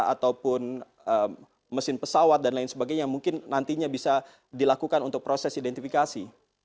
ataupun mesin pesawat dan lain sebagainya yang mungkin nantinya bisa dilakukan untuk proses identifikasi